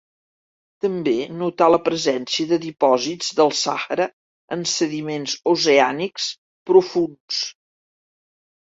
També notà la presència de dipòsits del Sàhara en sediments oceànics profunds.